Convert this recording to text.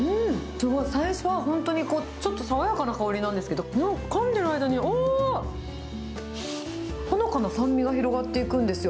すごい、最初は本当にちょっと爽やかな香りなんですけれども、かんでる間に、あー、ほのかな酸味が広がっていくんですよ。